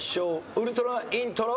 ウルトライントロ。